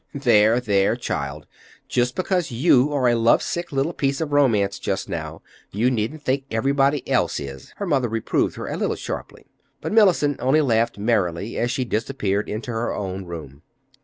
"There, there, child, just because you are a love sick little piece of romance just now, you needn't think everybody else is," her mother reproved her a little sharply. But Mellicent only laughed merrily as she disappeared into her own room.